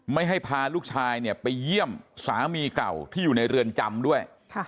ไม่ให้พาลูกชายเนี่ยไปเยี่ยมสามีเก่าที่อยู่ในเรือนจำด้วย